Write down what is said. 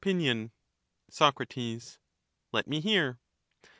opinion. Soc. Let me hear.